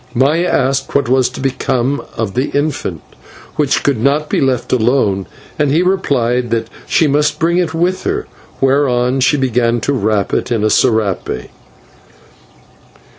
Maya asked what was to become of the infant, which could not be left alone, and he replied that she must bring it with her, whereon she began to wrap it in a /serape